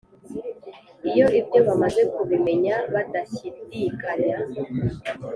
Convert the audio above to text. Iyo ibyo bamaze kubimenya badashyidikanya,